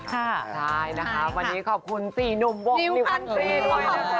ใช่นะคะวันนี้ขอบคุณ๔หนุ่มวงดิวอนตรีด้วยนะคะ